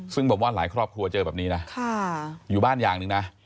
ซึ่งบอกว่าหลายครอบครัวเจอแบบนี้นะอยู่บ้านอย่างหนึ่งนะ